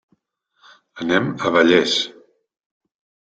Anem a Vallés.